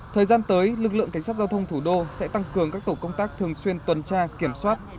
thời gian tới lực lượng cảnh sát giao thông thủ đô sẽ tăng cường các tổ công tác thường xuyên tuần tra kiểm soát